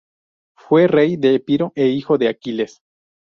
Fue rey de Epiro e hijo de Aquiles.